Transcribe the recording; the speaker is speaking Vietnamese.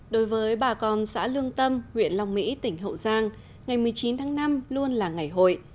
đối với bà con xã lương tâm huyện long mỹ tỉnh hậu giang ngày một mươi chín tháng năm luôn là ngày hội